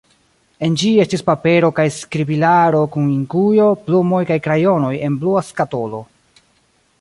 En ĝi estis papero kaj skribilaro kun inkujo, plumoj kaj krajonoj en blua skatolo.